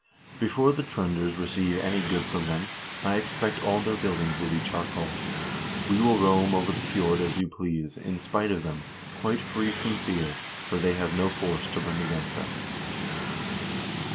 Before the Tr0nders receive any good from them, I expect all their buildings will be charcoal. We will roam over the fjord as we please, in spite of them, quite free from fear, for they have no force to bring against us."